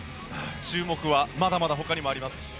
注目はまだまだほかにもあります。